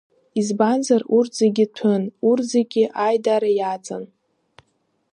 Избанзар, урҭ зегьы ҭәын, урҭ зегьы аидара иаҵан.